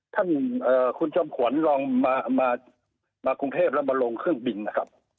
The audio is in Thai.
ท่านคุณจอมขวัญลองมากรุงเทพแล้วมาลงเครื่องบินนะครับ